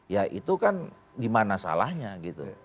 ya itu kan gimana salahnya gitu